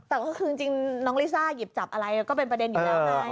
แต่ก็คือจริงน้องลิซ่าหยิบจับอะไรก็เป็นประเด็นอยู่แล้วไง